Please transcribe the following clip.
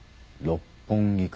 六本木か。